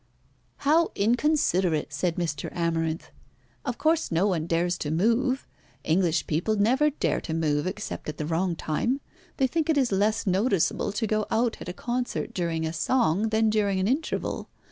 "How inconsiderate," said Mr. Amarinth; "of course no one dares to move. English people never dare to move, except at the wrong time. They think it is less noticeable to go out at a concert during a song than during an interval.